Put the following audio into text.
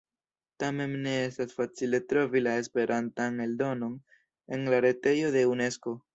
Tamen ne estas facile trovi la Esperantan eldonon en la retejo de Unesko.